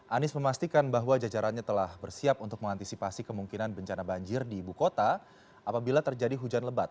anies memastikan bahwa jajarannya telah bersiap untuk mengantisipasi kemungkinan bencana banjir di ibu kota apabila terjadi hujan lebat